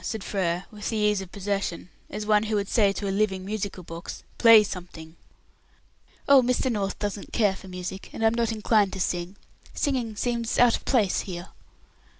said Frere, with the ease of possession, as one who should say to a living musical box, "Play something." "Oh, Mr. North doesn't care for music, and I'm not inclined to sing. Singing seems out of place here."